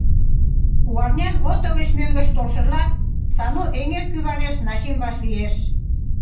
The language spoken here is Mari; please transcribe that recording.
Кугарнян, ото гыч мӧҥгыш толшыжла, Сану эҥер кӱвареш Начим вашлиеш.